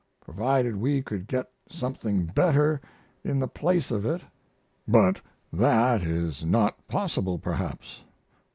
Provided we could get something better in the place of it. But that is not possible perhaps.